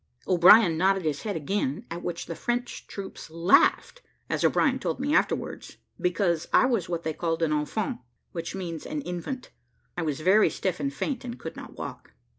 O'Brien nodded his head again, at which the French troops laughed, as O'Brien told me afterwards, because I was what they called an enfant, which means an infant. I was very stiff and faint, and could not walk.